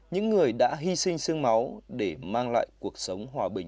những người đã hy sinh sương máu để mang lại cuộc sống hòa bình